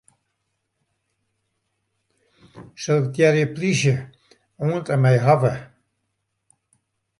Selektearje 'plysje' oant en mei 'hawwe'.